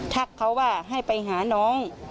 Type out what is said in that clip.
ทักเขาว่าให้ไปหาน้อง